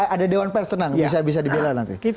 ada dewan persenang bisa dibilang nanti